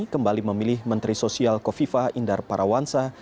kembali memilih menteri sosial kofifa indar parawansa